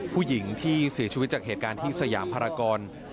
ผู้หญิงที่เสียชีวิตจากเหตุการณ์ที่สยามภารกร